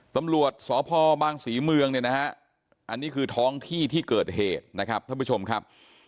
ตำรวจสพบางศรีเมืองเนี่ยนะฮะอันนี้คือท้องที่ที่เกิดเหตุนะครับท่านผู้ชมครับ